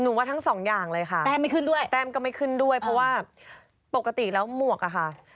หนูว่าทั้งสองอย่างเลยค่ะแต้มก็ไม่ขึ้นด้วยเพราะว่าปกติแล้วหมวกค่ะ